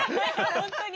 本当に。